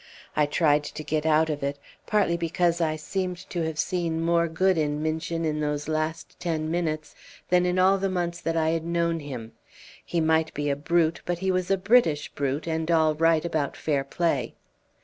I tried to get out of it, partly because I seemed to have seen more good in Minchin in those last ten minutes than in all the months that I had known him; he might be a brute, but he was a British brute, and all right about fair play.